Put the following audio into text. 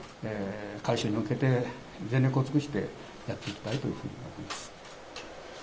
回収に向けて、全力を尽くしていきたいというふうに思っております。